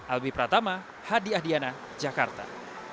albi pratama hadi ahdiana jakarta